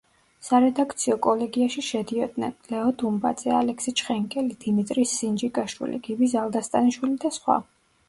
სარედაქციო კოლეგიაში შედიოდნენ: ლეო დუმბაძე, ალექსი ჩხენკელი, დიმიტრი სინჯიკაშვილი, გივი ზალდასტანიშვილი და სხვა.